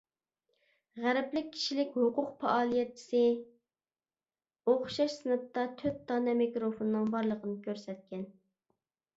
غەربلىك كىشىلىك ھوقۇق پائالىيەتچىسى ئوخشاش سىنىپتا تۆت دانە مىكروفوننىڭ بارلىقىنى كۆرسەتكەن.